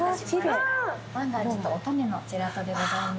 万願寺と麻種のジェラートでございます。